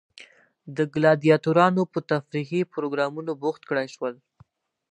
د ګلادیاتورانو په تفریحي پروګرامونو بوخت کړای شول.